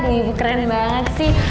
iya keren banget sih